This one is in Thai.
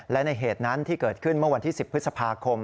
และในเหตุนั้นที่เกิดขึ้นเมื่อวันที่๑๐พฤษภาคม